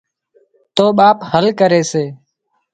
تو ٻاپ حل ڪري سي